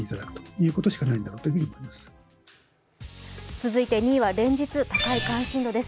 続いて２位は連日高い関心度です。